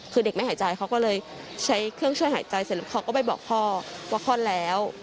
คือเด็กไม่หายใจเขาก็เลยใช้เครื่องช่วยหายใจเสร็จแล้วเขาก็ไปบอกพ่อว่าคลอดแล้ว